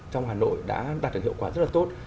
trong hà nội đã đạt được hiệu quả rất là tốt